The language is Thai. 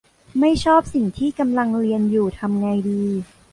ไม่ชอบสิ่งที่กำลังเรียนอยู่ ทำไงดี